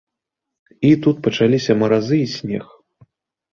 А тут пачаліся маразы і снег.